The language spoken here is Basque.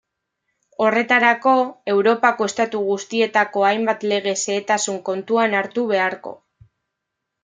Horretarako Europako estatu guztietako hainbat lege xehetasun kontuan hartu beharko.